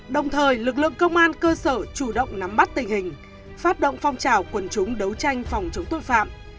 đồng thời lực lượng công an cơ sở chủ động nắm bắt tình hình phát động phong trào quần chúng đấu tranh phòng chống tội phạm